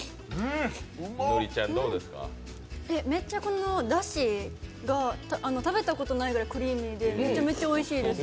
めっちゃ、だしが食べたことないぐらいクリーミーでめちゃめちゃおいしいです。